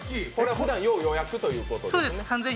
ふだんは要予約ということで。